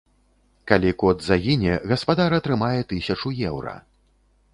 Калі кот загіне, гаспадар атрымае тысячу еўра.